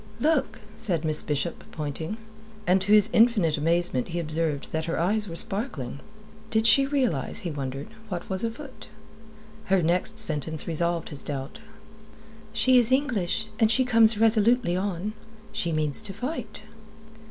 "Look," said Miss Bishop, pointing; and to his infinite amazement he observed that her eyes were sparkling. Did she realize, he wondered, what was afoot? Her next sentence resolved his doubt. "She is English, and she comes resolutely on. She means to fight."